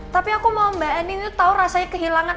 tapi aku mau mbak andin itu tahu rasanya kehilangan